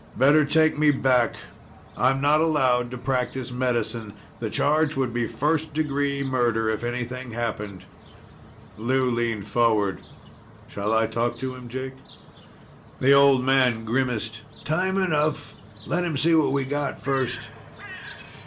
"Better take me back. I'm not allowed to practice medicine. The charge would be first degree murder if anything happened." Lou leaned forward. "Shall I talk to him, Jake?" The old man grimaced. "Time enough. Let him see what we got first."